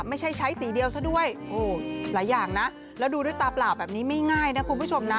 ไม่ใช่ใช้สีเดียวซะด้วยโอ้หลายอย่างนะแล้วดูด้วยตาเปล่าแบบนี้ไม่ง่ายนะคุณผู้ชมนะ